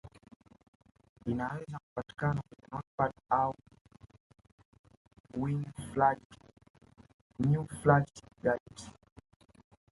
Inaweza kupatikana kwenye notepads au newfangled gadget